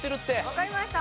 わかりました。